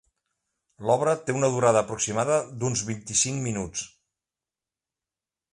L'obra té una durada aproximada d'uns vint-i-cinc minuts.